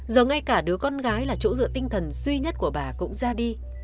giờ ngay cả đứa con gái là chỗ dựa tinh thần duy nhất của bà cũng ra đi